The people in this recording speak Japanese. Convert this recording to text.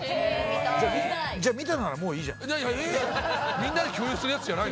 みんなで共有するやつじゃないんですか？